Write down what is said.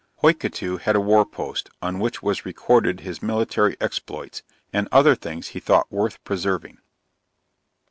Hiokatoo had a war post, on which was recorded his military exploits, and other things that he tho't worth preserving.